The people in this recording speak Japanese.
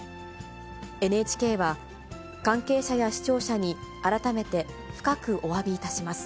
ＮＨＫは、関係者や視聴者に改めて深くおわびいたします。